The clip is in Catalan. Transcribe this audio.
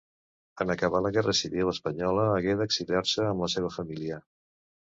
En acabar la guerra civil espanyola hagué d'exiliar-se amb la seva família.